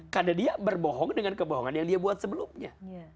karena dia berbohong dengan kebohongan yang dia buat sebelumnya